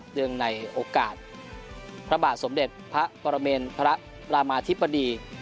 เนื่องในโอกาสพระบาทสมเด็จพระปรเมนพระรามาธิบดี